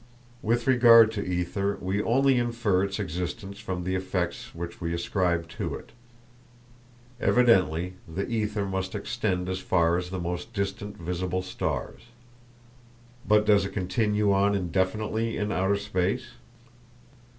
With regard to ether we only infer its existence from the effects which we ascribe to it. Evidently the ether must extend as far as the most distant visible stars. But does it continue on indefinitely in outer space?